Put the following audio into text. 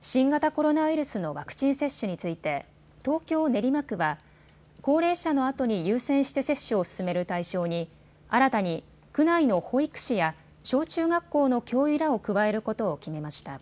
新型コロナウイルスのワクチン接種について東京練馬区は高齢者のあとに優先して接種を進める対象に新たに区内の保育士や小中学校の教諭らを加えることを決めました。